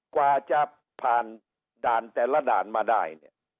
กว่าจะผ่านด่านแต่ละด่านมาได้เนี่ย